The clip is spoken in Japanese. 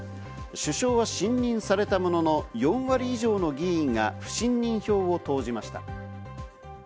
首相は信任されたものの、４割以上の議員が不信任票を投じました。